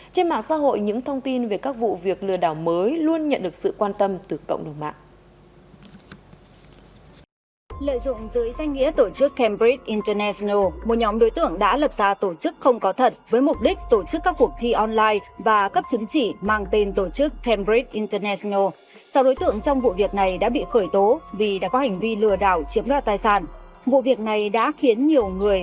trên mạng xã hội những thông tin về các vụ việc lừa đảo mới luôn nhận được sự quan tâm từ cộng đồng mạng